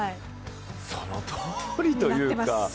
そのとおりというか。